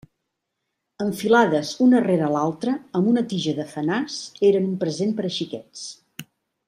Enfilades una rere l'altra amb una tija de fenàs, eren un present per a xiquets.